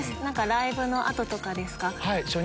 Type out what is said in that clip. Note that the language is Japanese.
ライブの後ですか？